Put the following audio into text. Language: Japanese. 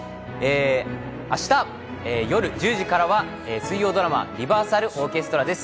明日、夜１０時からは水曜ドラマ『リバーサルオーケストラ』です。